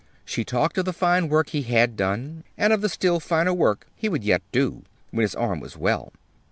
She talked of the fine work he had done, and of the still finer work he would yet do, when his arm was well.